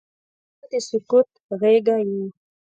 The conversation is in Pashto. • ته د سکون غېږه یې.